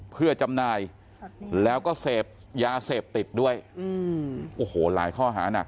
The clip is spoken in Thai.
เพื่อจำหน่ายแล้วก็เสพยาเสพติดด้วยโอ้โหหลายข้อหานัก